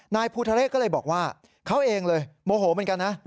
นายภูทะเรศก็เลยบอกว่าเขาเองเลยโมโหเหมือนกันนะ